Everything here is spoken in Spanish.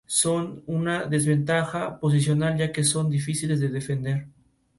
Jenna comienza a resentirse de estar en una relación secreta con Matty.